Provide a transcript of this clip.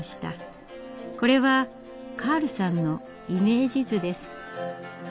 これはカールさんのイメージ図です。